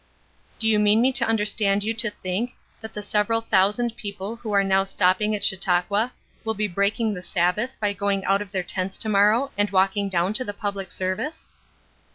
"Do you mean me to understand you to think that the several thousand people who are now stopping at Chautauqua will be breaking the Sabbath by going out of their tents to morrow and walking down to the public service?"